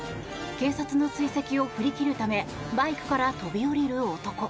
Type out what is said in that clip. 警察の追跡を振り切るためバイクから飛び降りる男。